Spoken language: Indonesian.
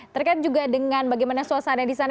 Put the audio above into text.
terkait juga dengan bagaimana suasana di sana